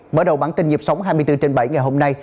mở đầu bản tin nhịp sống hai mươi bốn trên bảy ngày hôm nay